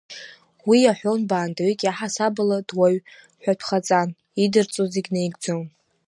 Уи иаҳәон баандаҩык иаҳасабала дуаҩ ҳәатәхаҵан, идырҵоз зегьы наигӡон.